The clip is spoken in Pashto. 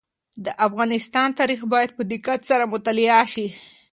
د افغانستان تاریخ باید په دقت سره مطالعه شي.